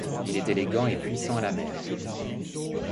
Il est élégant et puissant à la mer.